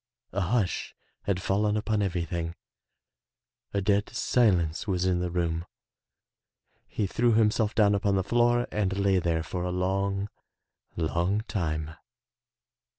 A hush had fallen upon everything, a dead silence was in the room. He threw himself down upon the floor and lay there for a long, long time.